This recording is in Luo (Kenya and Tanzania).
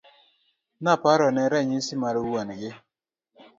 Noparone ranyisi mar wuon gi.